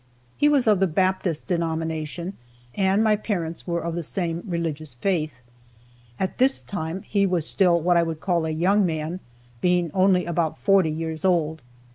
He was of the Baptist denomination, and my parents were of the same religious faith. At this time he was still what I would now call a young man, being only about forty years old.